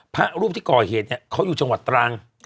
พระรูปที่ก่อเหตุเนี่ยเขาอยู่จังหวัดตรัง